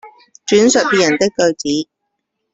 轉述別人的句子